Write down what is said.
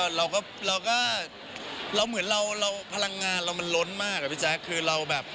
เหมือนพลังงานเรามันล้นมากไอ้พี่แจ๊ค